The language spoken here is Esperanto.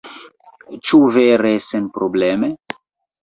Ĉu vere senprobleme?